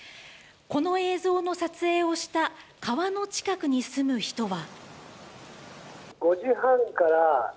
この映像の撮影をした川の近くに住む人は。